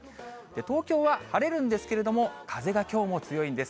東京は晴れるんですけれども、風がきょうも強いんです。